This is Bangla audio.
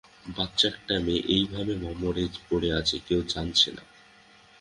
বাচ্চা একটা মেয়ে এইভাবে মরে পড়ে আছে, কেউ জানছে না।